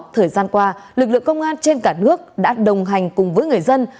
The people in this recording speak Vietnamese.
thời gian qua lực lượng công an trên cả nước đã đồng hành cùng với người dân